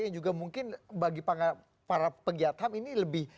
yang juga mungkin bagi para pegiatan ini lebih